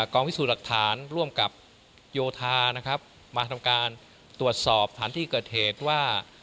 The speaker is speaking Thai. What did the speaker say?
กองพิสูจน์หลักฐานร่วมกับโยธานะครับมาทำการตรวจสอบฐานที่เกิดเหตุว่า